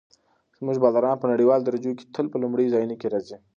زموږ بالران په نړیوالو درجو کې تل په لومړیو ځایونو کې راځي.